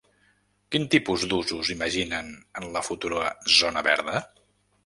Quin tipus d’usos imaginen en la futura zona verda?